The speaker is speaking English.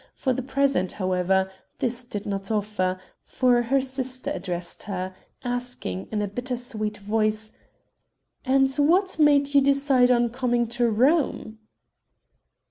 For the present, however, this did not offer, for her sister addressed her, asking, in a bitter sweet voice: "And what made you decide on coming to Rome?"